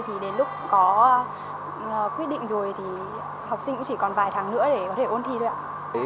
thì đến lúc có quyết định rồi thì học sinh cũng chỉ còn vài tháng nữa để có thể ôn thi thôi ạ